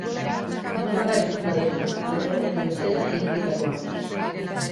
Nomada izan da bera, alde batetik bestera ibilitakoa.